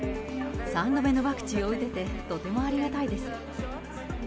３度目のワクチンを打てて、とてもありがたいです。